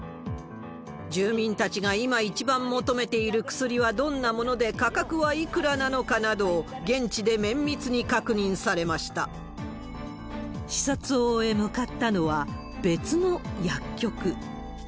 住民たちが今、一番求めている薬はどんなもので、価格はいくらなのかなどを、視察を終え、向かったのは別の薬局。